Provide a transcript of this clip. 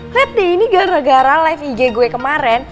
liat deh ini gara gara live ig gue kemaren